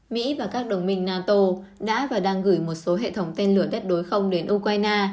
mỹ và các đồng minh nato đã và đang gửi một số hệ thống tên lửa đất đối không đến ukraine